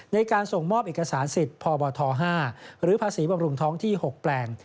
ในการส่งมอบเอกสารสิทธิ์พบท๕หรือภาษีบำรุงท้องที่๖แปลง